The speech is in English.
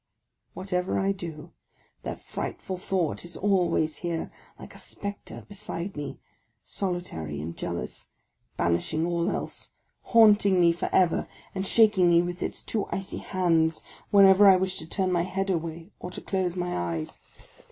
Whatever I do, that frightful thought is always here, like a spectre, beside me, — solitary and jealous, banishing all else, haunting me for ever, and shaking me with its two icy hands whenever I wish to £urn my head away or to close my eyes.